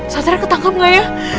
satria ketangkep ga ya